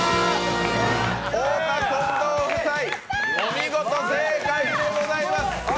太田・近藤夫妻、お見事、正解でございます。